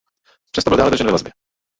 Přesto byl dále držen ve vazbě.